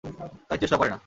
তাই চেষ্টাও করে না!